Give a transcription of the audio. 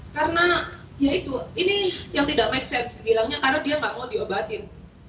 karena ya itu ini yang tidak make sense bilangnya karena dia gak mau diobatin